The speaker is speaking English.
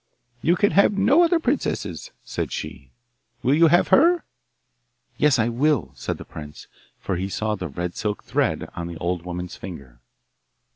'You can have no other princess,' said she. 'Will you have her?' 'Yes, I will,' said the prince, for he saw the red silk thread on the old woman's finger.